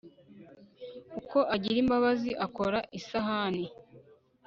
Ukwo agira imbabazi akora isahanii